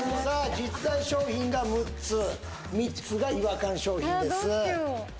実在商品が６つ３つが違和感商品ですああ